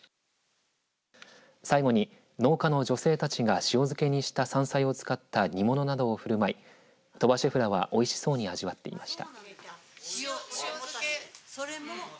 最後に農家の女性たちが塩漬けにした山菜を使った煮物などをふるまい鳥羽シェフらはおいしそうに味わっていました。